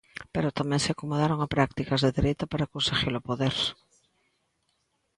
Pero tamén se acomodaron a prácticas de dereita para conseguir o poder.